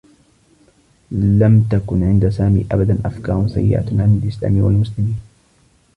لم تكن عند سامي أبدا أفكار سيّئة عن الإسلام و المسلمين.